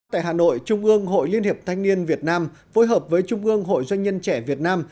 tại hà nội trung ương hội liên hiệp thanh niên việt nam phối hợp với trung ương hội doanh nhân trẻ việt nam